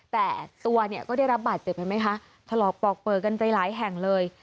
แต่ตัวเนี่ยก็ได้รับบาดเจ็บเห็นไหมคะถลอกปอกเปลือกันไปหลายแห่งเลย